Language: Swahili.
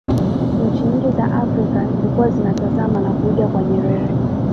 nchi nyingi za afrika zilikuwa zinatazama na kuiga kwa nyerere